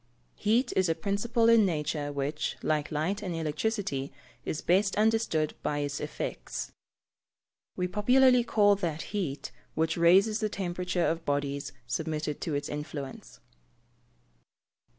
_ Heat is a principle in nature which, like light and electricity, is best understood by its effects. We popularly call that heat, which raises the temperature of bodies submitted to its influence.